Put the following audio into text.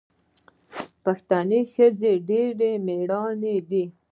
د پښتنو ښځې ډیرې میړنۍ دي.